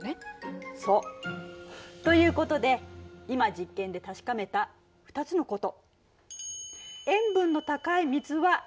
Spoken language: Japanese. そう。ということで今実験で確かめた２つのこと。